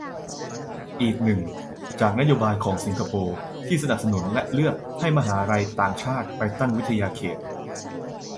อีกหนึ่ง จากนโยบายของสิงคโปร์ที่สนับสนุน และเลือก ให้มหาลัยต่างชาติไปตั้งวิทยาเขต